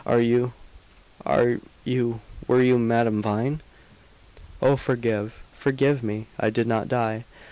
"Are you are you were you Madame Vine?" "Oh, forgive forgive me! I did not die.